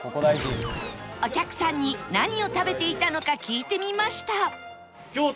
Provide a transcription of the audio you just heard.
お客さんに何を食べていたのか聞いてみました